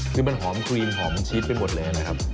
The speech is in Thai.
คือมันหอมครีมหอมชีสไปหมดเลยนะครับ